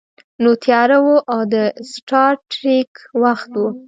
نو تیاره وه او د سټار ټریک وخت و